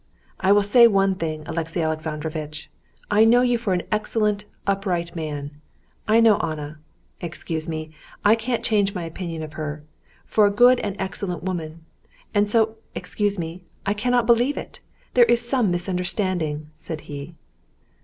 "I will say one thing, Alexey Alexandrovitch. I know you for an excellent, upright man; I know Anna—excuse me, I can't change my opinion of her—for a good, an excellent woman; and so, excuse me, I cannot believe it. There is some misunderstanding," said he.